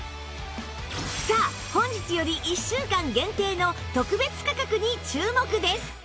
さあ本日より１週間限定の特別価格に注目です